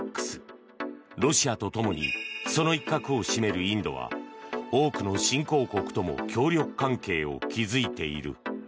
ロシアとともにその一角を占めるインドは多くの新興国とも協力関係を築いている。